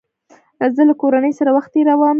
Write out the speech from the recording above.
زه له کورنۍ سره وخت تېرووم.